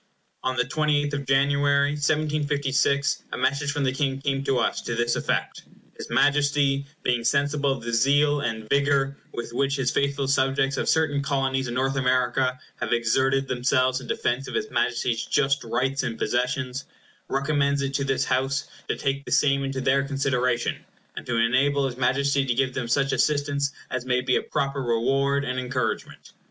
On the 28th of January, 1756, a message from the King came to us, to this effect: "His Majesty, being sensible of the zeal and vigor with which his faithful subjects of certain Colonies in North America have exerted themselves in defence of his Majesty's just rights and possessions, recommends it to this House to take the same into their consideration, and to enable his Majesty to give them such assistance as may be a proper reward and encouragement."